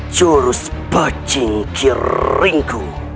jurus bacing kiringku